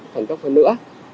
thần tốc hơn nữa